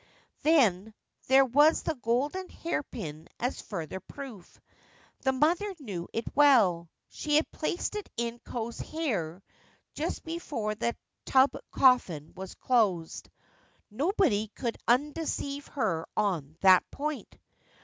Then, there was the golden hairpin as further proof. The mother knew it well. She had placed it in Ko's hair just before the tub coffin was closed. Nobody could undeceive her on that point.